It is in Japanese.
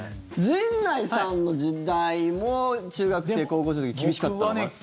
陣内さんの時代も中学生、高校生の時厳しかったのかな。